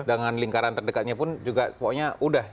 dengan lingkaran terdekatnya pun juga pokoknya udah